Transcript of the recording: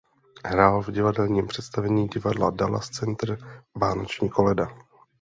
Hrál v divadelním představení divadla Dallas Center "Vánoční koleda".